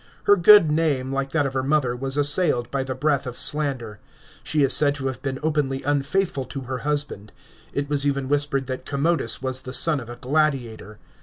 Her good name, like that of her mother, was assailed by the breath of slander. She is said to have been openly unfaithful to her husband; it was even whispered that Commodus was the son of a gladiator.